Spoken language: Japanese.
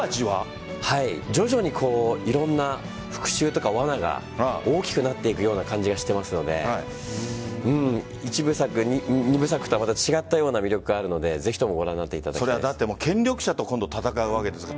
徐々にいろんな復讐とかわなが大きくなっていくような感じがしていますので１部作、２部作とはまた違ったような魅力があるのでぜひとも権力者と戦うわけですから。